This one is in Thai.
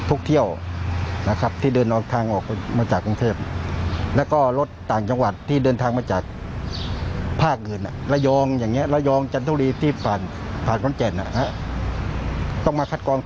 อืม